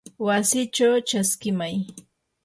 wasikichaw chaskimay.